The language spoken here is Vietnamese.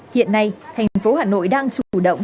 hiện nay thành phố hà nội đang chủ động